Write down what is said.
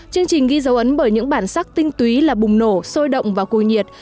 chương trình ghi dấu ấn bởi những bản sắc tinh túy là bùng nổ sôi động và cù nhiệt